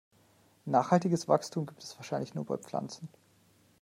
Nachhaltiges Wachstum gibt es wahrscheinlich nur bei Pflanzen.